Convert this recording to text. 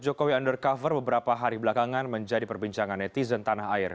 jokowi undercover beberapa hari belakangan menjadi perbincangan netizen tanah air